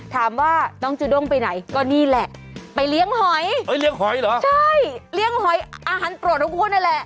ถามว่าน้องจูด้งไปไหนก็นี่แหละไปเลี้ยงหอยเลี้ยงหอยเหรอใช่เลี้ยงหอยอาหารโปรดของคุณนั่นแหละ